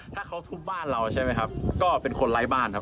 ถ้าเขาทุบบ้านเราใช่ไหมครับก็เป็นคนไร้บ้านครับ